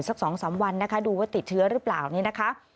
สัก๒๓วันนะคะดูว่าติดเชื้อหรือเปล่านี่นะคะ